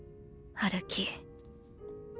歩き。